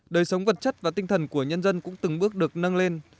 đời sống vật chất và tinh thần của nhân dân cũng từng bước được nâng lên